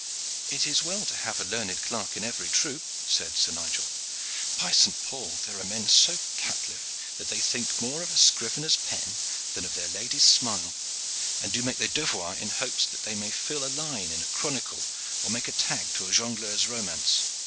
"It is well to have a learned clerk in every troop," said Sir Nigel. "By St. Paul, there are men so caitiff that they think more of a scrivener's pen than of their lady's smile, and do their devoir in hopes that they may fill a line in a chronicle or make a tag to a jongleur's romance.